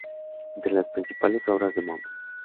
Entre las principales obras de mons.